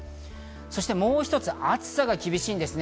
そしてもう一つ、暑さが厳しいんですね。